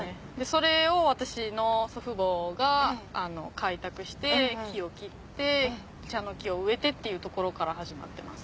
それを私の祖父母が開拓して木を切って茶の木を植えてっていうところから始まってます。